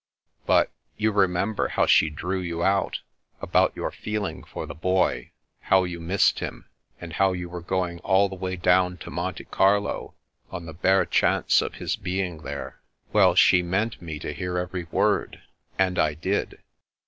But — ^you re member how she drew you out, about your feeling for the Boy, how you missed him, and how you were going all the way down to Monte Carlo on the bare chance of his being there ? Well, she meant me to hear every word, and I did.